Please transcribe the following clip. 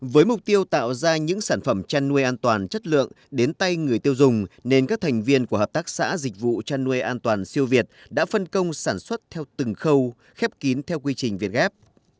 với mục tiêu tạo ra những sản phẩm chăn nuôi an toàn chất lượng đến tay người tiêu dùng nên các thành viên của hợp tác xã dịch vụ chăn nuôi an toàn siêu việt đã phân công sản xuất theo từng khâu khép kín theo quy trình việt gáp